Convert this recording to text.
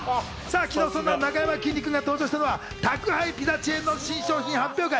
昨日、そんななかやまきんに君が登場したのは宅配ピザチェーンの新商品発表会。